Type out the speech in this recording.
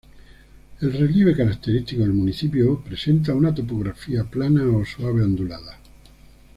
El relieve característico del municipio presenta una topografía plana o suave ondulada.